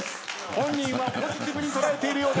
本人はポジティブに捉えているようでした。